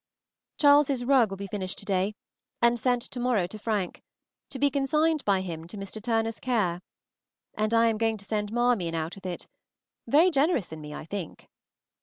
Charles's rug will be finished to day, and sent to morrow to Frank, to be consigned by him to Mr. Turner's care; and I am going to send Marmion out with it, very generous in me, I think.